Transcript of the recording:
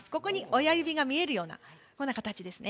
親指が見えるような形ですね。